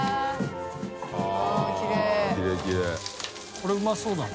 これうまそうだな。